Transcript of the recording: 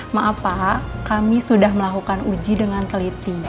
maaf pak kami sudah melakukan uji dengan teliti